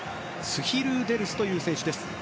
スヒルーデルスという選手です。